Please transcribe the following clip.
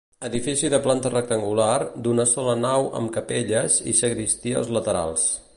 Edifici de planta rectangular, d'una sola nau amb capelles i sagristia als laterals.